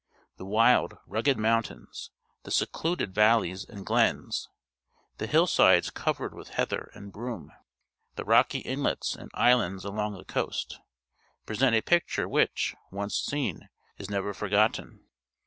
The wild, rugged mountains, the secluded vallej's and glens, the hillsides covered with heather and broom, the rocky inlets and islands along the coast, present a picture which, once seen, is never forgotten.